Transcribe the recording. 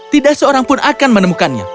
tidak seorang pun akan menemukannya